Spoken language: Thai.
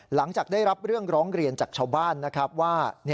หลังจากได้รับเรื่องร้องเรียนจากชาวบ้านนะครับว่า